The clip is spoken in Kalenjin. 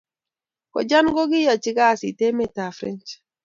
Kojan kokiyachi kasit emet ab french